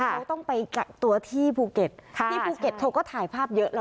เขาต้องไปกักตัวที่ภูเก็ตที่ภูเก็ตเขาก็ถ่ายภาพเยอะแล้ว